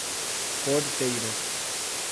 Porteiras